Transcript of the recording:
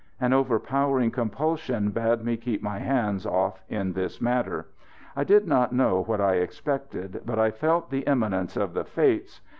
An overpowering compulsion bade me keep my hands off in this matter. I did not know what I expected, but I felt the imminence of the fates.